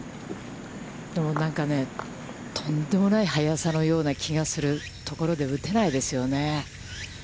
何かね、とんでもない速さのような気がするところで、打てないですよね。